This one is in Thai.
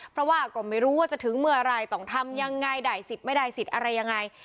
เพราะว่าก็ไม่รู้ว่าจะถึงเมื่อไหร่ต้องทำยังไงได้สิทธิ์ไม่ได้สิทธิ์อะไรยังไง